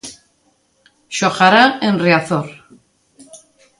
Xogará en Riazor.